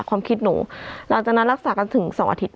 ความคิดหนูหลังจากนั้นรักษากันถึง๒อาทิตย